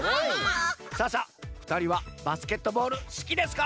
さあさあふたりはバスケットボールすきですか？